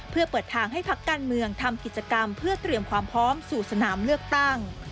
เพื่อเปิดทางให้พักการเมืองทำกิจกรรมเพื่อเตรียมความพร้อมสู่สนามเลือกตั้ง